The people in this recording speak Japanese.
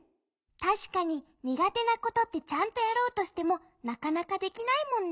たしかに苦手なことってちゃんとやろうとしてもなかなかできないもんね。